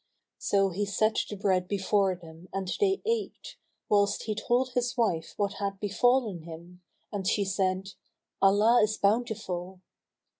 So he set the bread before them and they ate, whilst he told his wife what had befallen him, and she said, "Allah is bountiful."